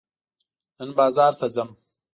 نن بازار ته ځم.